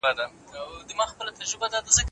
زه ښه لیک ليکم.